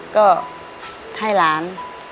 ก็ให้หลาน